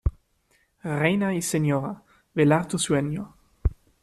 reina y señora, velar tu sueño.